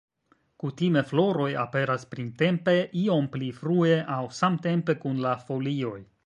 Kutime floroj aperas printempe, iom pli frue aŭ samtempe kun la folioj.